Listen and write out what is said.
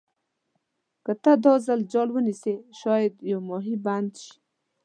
که ته دا ځل جال ونیسې شاید یو ماهي بند شي.